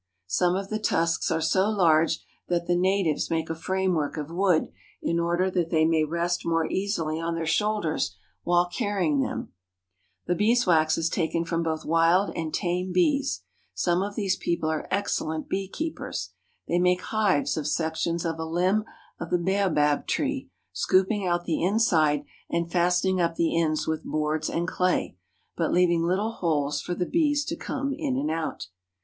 Some of the tusks are so large that the natives make a framework of wood in order that they may rest more easily on their shoul ders while carrying them. The beeswax is taken from both wild and tame bees. Nalwe of Benguela. Some of these people are excellent bee keepers. They make hives of sections of a limb of the baobab tree, scoop ing out the inside and fastening up the ends with boards and clay, but leaving little holes for the bees to come in and out.